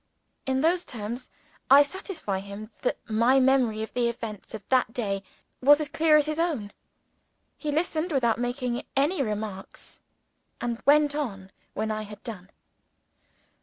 In those terms, I satisfied him that my memory of the events of that day was as clear as his own. He listened without making any remark, and went on when I had done.